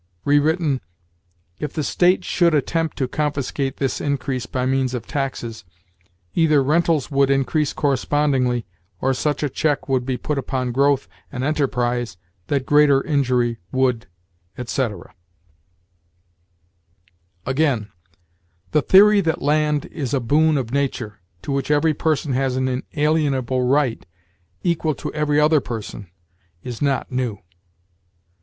Rewritten: "If the state should attempt to confiscate this increase by means of taxes, either rentals would increase correspondingly, or such a check would be put upon growth and enterprise that greater injury would," etc. Again: "The theory that land ... is a boon of Nature, to which every person has an inalienable right equal to every other person, is not new."